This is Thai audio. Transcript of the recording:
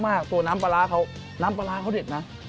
สักวันน้ำปลาร้าเขาเด็ดไป